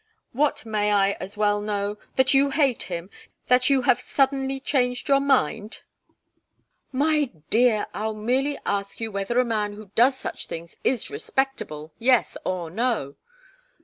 "What may I as well know? That you hate him? That you have suddenly changed your mind " "My dear, I'll merely ask you whether a man who does such things is respectable. Yes, or no?"